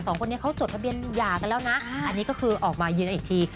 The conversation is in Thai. สองคนนี้เขาจดทะเบียนหย่ากันแล้วนะอันนี้ก็คือออกมายืนยันอีกที